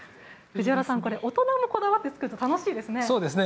大人もこだわって作ると楽しいですね。